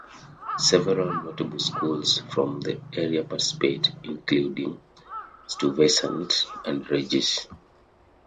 Several notable schools from the area participate, including Stuyvesant and Regis.